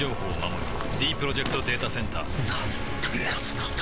ディープロジェクト・データセンターなんてやつなんだ